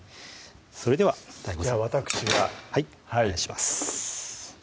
それではＤＡＩＧＯさんじゃあわたくしがはいお願いします